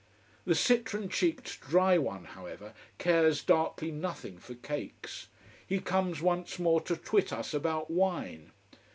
The citron cheeked, dry one, however, cares darkly nothing for cakes. He comes once more to twit us about wine.